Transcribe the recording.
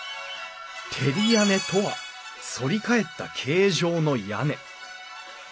照り屋根とはそり返った形状の屋根。